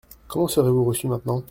Comment serez-vous reçue maintenant ?